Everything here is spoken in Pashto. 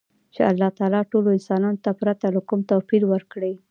چـې اللـه تعـالا ټـولـو انسـانـانـو تـه ،پـرتـه لـه کـوم تـوپـيره ورکـړى.